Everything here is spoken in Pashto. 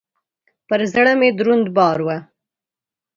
پر زړه مي دروند بار و .